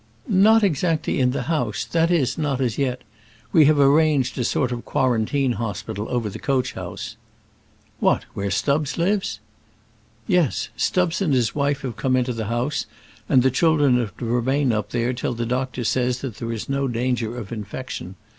"Not exactly in the house that is, not as yet. We have arranged a sort of quarantine hospital over the coach house." "What, where Stubbs lives?" "Yes; Stubbs and his wife have come into the house, and the children are to remain up there till the doctor says that there is no danger of infection.